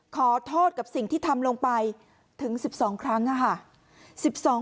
ขอโทษกับสิ่งที่ทำลงไปถึง๑๒ครั้งค่ะ